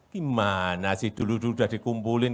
gimana sih dulu dulu udah dikumpulin